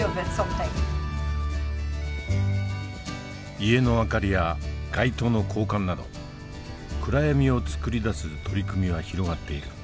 家の明かりや外灯の交換など暗闇を作り出す取り組みは広がっている。